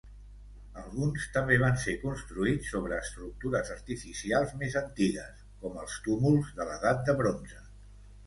Alguns també van ser construïts sobre estructures artificials més antigues, com els túmuls de l'Edat de Bronze.